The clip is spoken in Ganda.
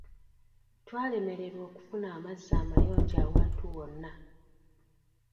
Twalemererwa okufuna amazzi amayonjo awantu wonna.